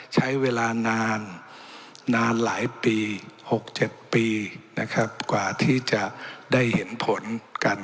ใช้เวลานานนานหลายปี๖๗ปีนะครับกว่าที่จะได้เห็นผลกัน